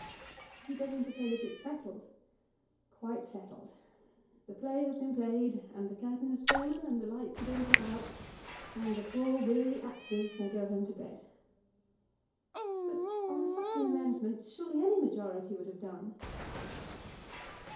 "You don't mean to say that it's settled?" "Quite settled. The play has been played, and the curtain has fallen, and the lights are being put out, and the poor weary actors may go home to bed." "But on such an amendment surely any majority would have done."